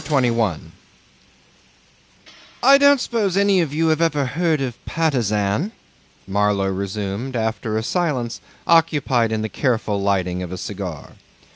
CHAPTER 21 'I don't suppose any of you have ever heard of Patusan?' Marlow resumed, after a silence occupied in the careful lighting of a cigar.